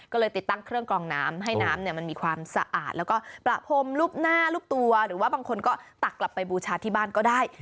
ก็เลยติดตั้งเครื่องกรองน้ำให้น้ำมันมีความสะอาดแล้วก็ประพรมรูปหน้ารูปตัวหรือว่าบางคนก็ตักกลับไปบูชาที่บ้านก็ได้